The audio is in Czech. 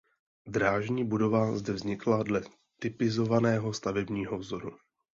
Drážní budova zde vznikla dle typizovaného stavebního vzoru.